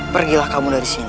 pergilah kamu dari sini